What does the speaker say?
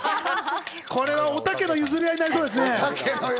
おたけの譲り合いになりそうですね。